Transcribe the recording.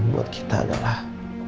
buat kita adalah